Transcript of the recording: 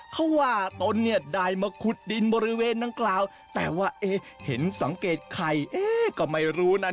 เขาว่าตนเนี่ยได้มาขุดดินบริเวณดังกล่าวแต่ว่าเอ๊ะเห็นสังเกตไข่เอ๊ะก็ไม่รู้นะ